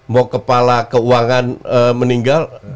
mau kepala keuangan meninggal